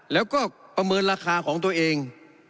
แล้วก็ประเมินราคาของตัวเอง